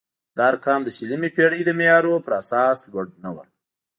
دا ارقام د شلمې پېړۍ د معیارونو پر اساس لوړ نه وو.